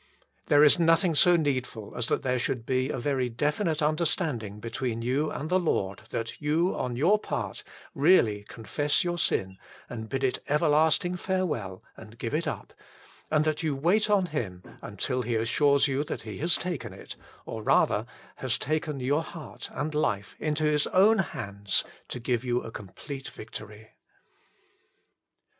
There is nothing so needful as that there should be a very definite understanding between you and the Lord, that you on your part really confess your sin and bid it everlasting farewell and give it up, and that you wait on Him until He assures you that 158 THE FULL BLESSING OF PENTECOST He has taken it, or rather has taken your heart and life, into His own hands to give you a complete victory.